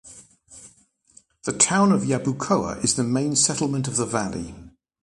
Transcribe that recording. The town of Yabucoa is the main settlement of the valley.